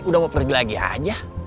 udah mau pergi lagi aja